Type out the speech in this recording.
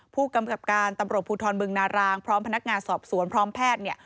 ผู้กำกับการตำรวจภูทรบึงนารางพร้อมพนักงานสอบสวนพร้อมแพทย์เนี่ย